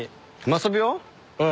うん。